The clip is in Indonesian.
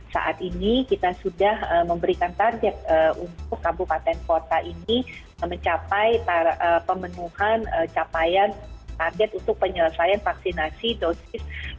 saat ini kita sudah memberikan target untuk kabupaten kota ini mencapai pemenuhan capaian target untuk penyelesaian vaksinasi dosis